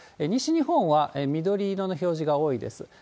西日本は緑色の表示が多いです。